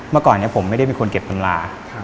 เมื่อก่อนผมไม่ได้มีคนเก็บตำรา